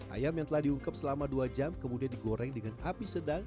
ayam yang telah diungkep selama dua jam kemudian digoreng dengan api sedang